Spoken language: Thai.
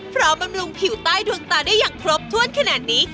บำรุงผิวใต้ดวงตาได้อย่างครบถ้วนขนาดนี้